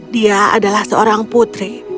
dia adalah seorang putri